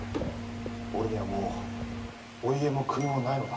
おれにはもうお家も国もないのだ。